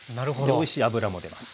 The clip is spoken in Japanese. おいしい脂も出ます。